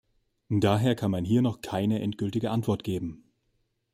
Daher kann man hier noch keine endgültige Antwort geben.